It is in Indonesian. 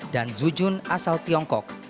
dan zujun asal tiongkok